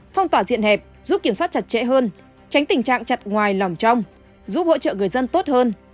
phong tỏa diện hẹp giúp kiểm soát chặt chẽ hơn tránh tình trạng chặt ngoài lòng trong giúp hỗ trợ người dân tốt hơn